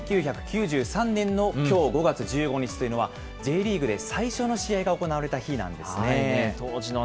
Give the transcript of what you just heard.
１９９３年のきょう５月１５日というのは、Ｊリーグで最初の試合が行われた日なんですね。